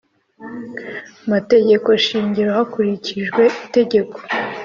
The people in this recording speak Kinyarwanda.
mategeko shingiro hakurikijwe Itegeko